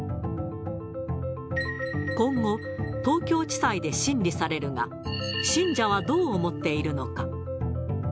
今後、東京地裁で審理されるが、信者はどう思っているのか。